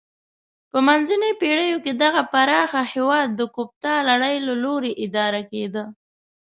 په منځنیو پیړیو کې دغه پراخ هېواد د کوپتا لړۍ له لوري اداره کېده.